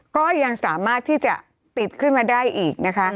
ก็ยังสามารถที่จะติดขึ้นมาได้อีกนะคะ